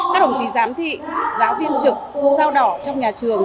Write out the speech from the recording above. các đồng chí giám thị giáo viên trực sao đỏ trong nhà trường